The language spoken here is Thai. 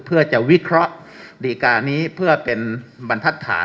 เพื่อจะวิเคราะห์ดีการนี้เพื่อเป็นบรรทัศน